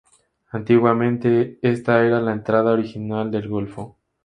Antiguamente esta era la entrada original del golfo.